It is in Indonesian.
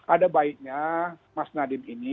ada baiknya mas nadiem ini